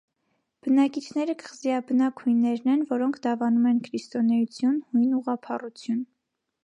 Բնակիչները կղզիաբնակ հույներն են, որոնք դավանում են քրիստոնեություն՝ հույն ուղղափառություն։